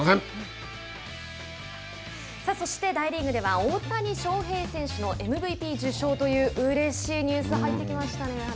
そして、大リーグでは大谷翔平選手のＭＶＰ受賞といううれしいニュースが入ってきましたね。